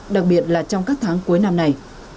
đặc biệt là trong các tháng cuối năm này